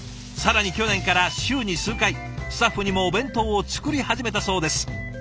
更に去年から週に数回スタッフにもお弁当を作り始めたそうです。